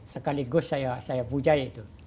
sekaligus saya pujai itu